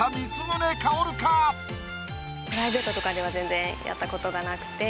プライベートとかでは全然やったことがなくて。